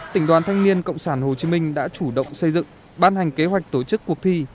tỉnh đoàn thanh niên cộng sản hồ chí minh đã chủ động xây dựng ban hành kế hoạch tổ chức cuộc thi